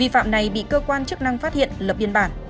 phạm này bị cơ quan chức năng phát hiện lập biên bản